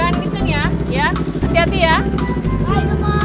gak biarin gak apa apa